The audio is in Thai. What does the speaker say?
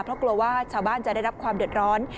เพราะกลัวว่าชาวบ้านจะได้รับความเดือดร้อน